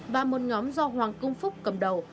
và một nhóm do hoàng công phúc cầm đầu